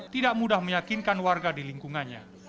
tidak mudah meyakinkan warga di lingkungannya